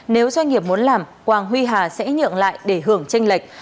nếu doanh nghiệp muốn làm quang huy hà sẽ nhượng lại để hưởng tranh lệch